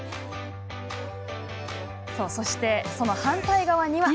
そして、その反対側には。